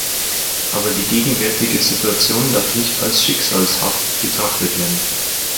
Aber die gegenwärtige Situation darf nicht als schicksalhaft betrachtet werden!